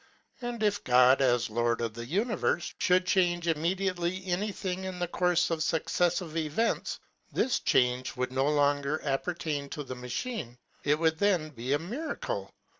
And if God, as Lord of the univerfe, mould change imme diately any thing in the courfe of fucceilive events, this change would no longer appertain to the ma chine: it would then be a miracle.